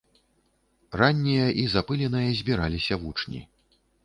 Раннія і запыленыя збіраліся вучні.